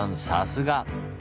さすが！